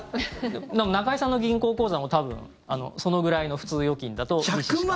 中居さんの銀行口座も多分そのぐらいの普通預金だと利子しか。